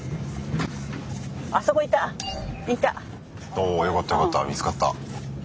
およかったよかった見つかった。